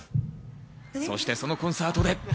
そして、そのコンサートで。